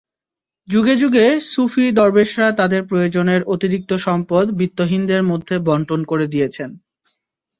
যুগে যুগে সুফি–দরবেশরা তাঁদের প্রয়োজনের অতিরিক্ত সম্পদ বিত্তহীনদের মধ্যে বণ্টন করে দিয়েছেন।